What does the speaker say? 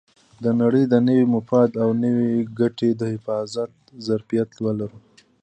د نړۍ د نوي مفاد او نوې ګټې د حفاظت ظرفیت ولرو.